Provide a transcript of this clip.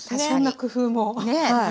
そんな工夫も。